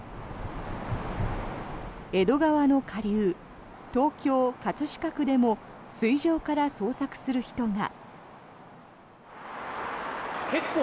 江戸川の下流、東京・葛飾区でも水上から捜索する人が。